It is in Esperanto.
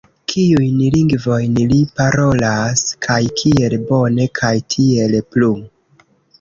Kiujn lingvojn li parolas kaj kiel bone kaj tiel plu